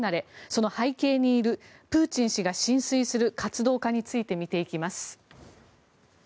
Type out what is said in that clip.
その背景にいるプーチン氏が心酔する活動家について見ていきます。